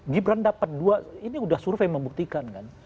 gibran dapat dua ini sudah survei membuktikan kan